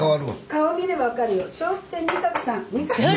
顔見れば分かるよ。